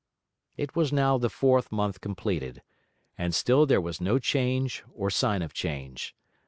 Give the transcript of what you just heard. It was now the fourth month completed, and still there was no change or sign of change.